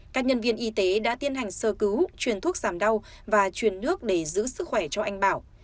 các nhân viên y tế đã tiến hành sơ cứu chuyển thuốc giảm đau và chuyển nước để giữ sức khỏe cho anh bảo